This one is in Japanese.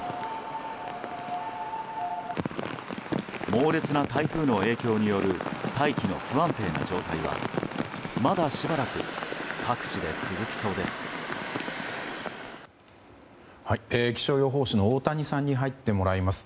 猛烈な台風の影響による大気の不安定な状態はまだしばらく各地で続きそうです。